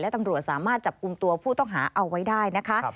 ตำรวจสามารถจับกลุ่มตัวผู้ต้องหาเอาไว้ได้นะคะ